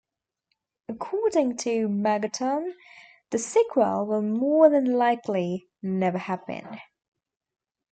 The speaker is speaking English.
According to Megaton, the sequel will more than likely never happen.